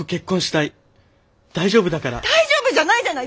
大丈夫じゃないじゃない！